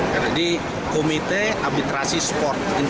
karena di komite ambitrasi sport